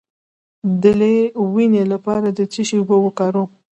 د لۍ د وینې لپاره د څه شي اوبه وکاروم؟